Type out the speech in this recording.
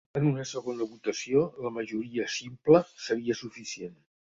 En una segona votació la majoria simple seria suficient.